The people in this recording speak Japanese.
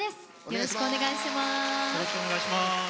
よろしくお願いします。